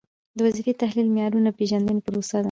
د وظیفې تحلیل د معیارونو د پیژندنې پروسه ده.